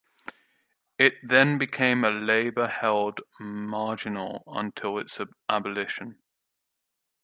It then became a Labour-held marginal until its abolition.